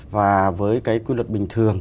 và với cái quy luật bình thường